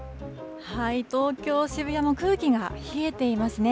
東京・渋谷も空気が冷えていますね。